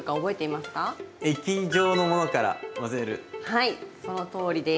はいそのとおりです。